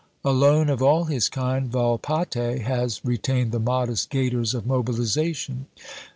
Alone of all his kind, Volpatte has retained the modest gaiters of mobilization.